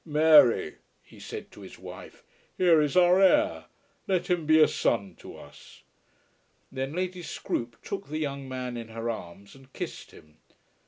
"Mary," he said to his wife, "here is our heir. Let him be a son to us." Then Lady Scroope took the young man in her arms and kissed him.